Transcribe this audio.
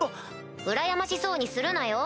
うらやましそうにするなよ？